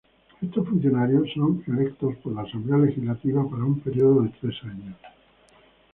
Estos funcionarios son electos por la Asamblea Legislativa para un período de tres años.